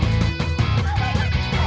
tidak enggak oke deh